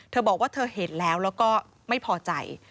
เธอบอกว่าเธอเห็นแล้วแล้วก็ไม่พอใจ